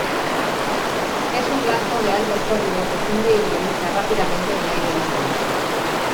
Es un blanco de alto sólido que funde hidroliza rápidamente en aire húmedo.